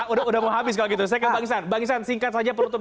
udah udah mau habis kalau gitu saya kebangsaan bangsaan singkat saja penutup